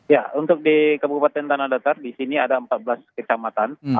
ya untuk di kabupaten tanah datar di sini ada empat belas kecamatan